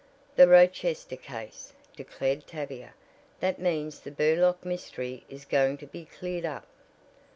"The Rochester case," declared Tavia. "That means the Burlock mystery is going to be cleared up."